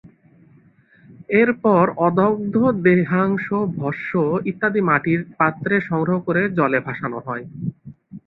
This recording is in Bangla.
এরপর অদগ্ধ দেহাংশ, ভস্ম ইত্যাদি মাটির পাত্রে সংগ্রহ করে জলে ভাসানো হয়।